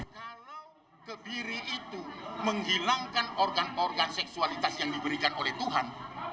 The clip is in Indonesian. kalau kebiri itu menghilangkan organ organ seksualitas yang diberikan oleh tuhan